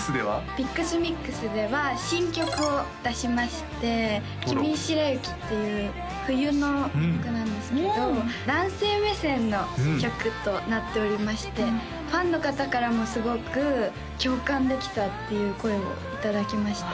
ＰｉＸＭｉＸでは新曲を出しまして「キミシラユキ」っていう冬の曲なんですけど男性目線の曲となっておりましてファンの方からもすごく共感できたっていう声をいただきました